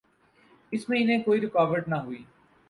اس میں انہیں کوئی رکاوٹ نہ ہوئی۔